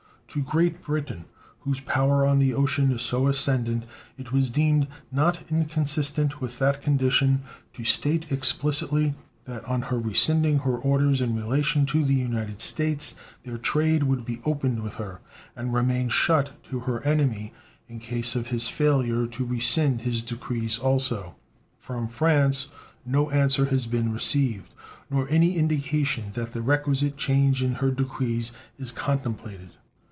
To Great Britain, whose power on the ocean is so ascendant, it was deemed not inconsistent with that condition to state explicitly that on her rescinding her orders in relation to the United States their trade would be opened with her, and remain shut to her enemy in case of his failure to rescind his decrees also. From France no answer has been received, nor any indication that the requisite change in her decrees is contemplated.